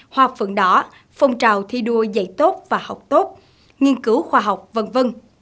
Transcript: hoa phượng đỏ phong trào thi đua dạy tốt và học tốt nghiên cứu khoa học v v